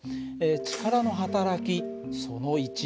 力のはたらきその１。